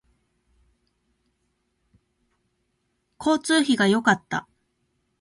交通費が良かった